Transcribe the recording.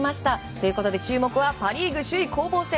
ということで、注目はパ・リーグ首位攻防戦。